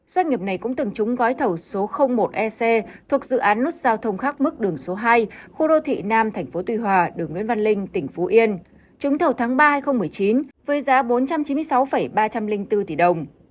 doanh nghiệp này cũng từng trúng gói thầu số một ec thuộc dự án nút giao thông khác mức đường số hai khu đô thị nam tp tuy hòa đường nguyễn văn linh tỉnh phú yên trúng thầu tháng ba hai nghìn một mươi chín với giá bốn trăm chín mươi sáu ba trăm linh bốn tỷ đồng